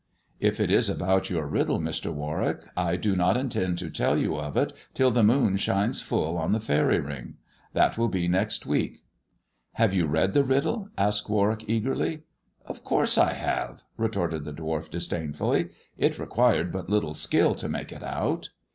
"If it is about your riddle, Mr. Warwick, I do not intend to tell you of it till the moon shines full on the Faery King. That will be next week." " Have you read the riddle 1 " asked Warwick eagerly. "Of course I have," retorted the dwarf disdainfully; "it required but little skill to make it out."